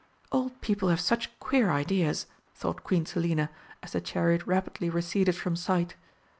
"Old people have such queer ideas," thought Queen Selina, as the chariot rapidly receded from sight.